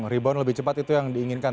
rebound lebih cepat itu yang diinginkan